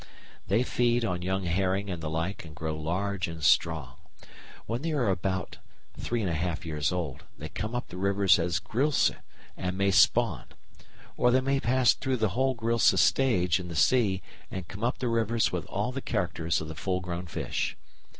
They feed on young herring and the like and grow large and strong. When they are about three and a half years old they come up the rivers as grilse and may spawn. Or they may pass through the whole grilse stage in the sea and come up the rivers with all the characters of the full grown fish.